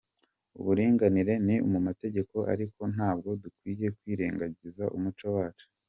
Uburinganire ni mu mategeko ariko ntabwo dukwiye kwirengangiza umuco wacu”.